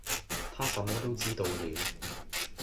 他什麼都知道了